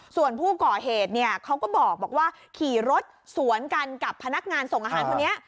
ส่วนผู้ก่อเหตุเนี่ยเขาก็บอกว่าขี่รถสวนกันกับพนักงานส่งอาหารคนนี้